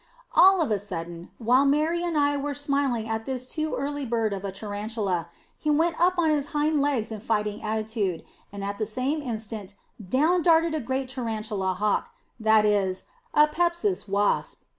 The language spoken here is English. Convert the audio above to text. All of a sudden, while Mary and I were smiling at this too early bird of a tarantula, he went up on his hind legs in fighting attitude, and at the same instant down darted a great tarantula hawk, that is, a Pepsis wasp.